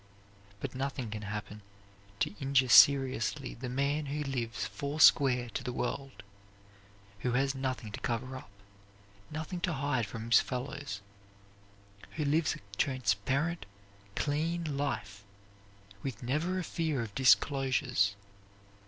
But nothing can happen to injure seriously the man who lives four square to the world; who has nothing to cover up, nothing to hide from his fellows; who lives a transparent, clean life, with never a fear of disclosures.